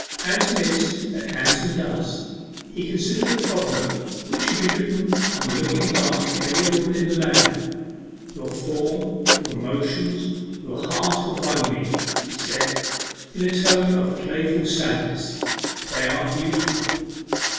'Handsome is that handsome does' he considered a proverb which should be written on the looking glass of every woman in the land. 'Your form, your motions, your heart have won me,' he said, in a tone of playful sadness. 'They are beautiful.